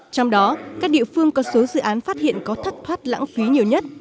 trong đó các địa phương có số dự án phát hiện có thất thoát lãng phí nhiều nhất